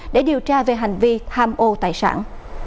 để điều tra về hành vi tham ô tài sản